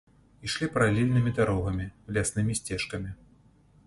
Ішлі паралельнымі дарогамі, ляснымі сцежкамі.